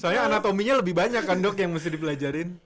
soalnya anatominya lebih banyak kan dok yang mesti dipelajarin